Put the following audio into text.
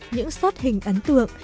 những shot hình ấn tượng